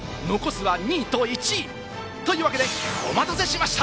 残すは２位と１位。というわけで、お待たせしました！